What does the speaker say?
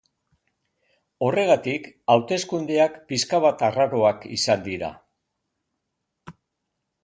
Horregatik, hauteskundeak pixka bat arraroak izan dira.